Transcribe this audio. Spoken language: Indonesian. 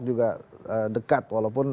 juga dekat walaupun